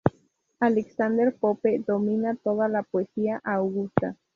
Alexander Pope domina toda la poesía augusta.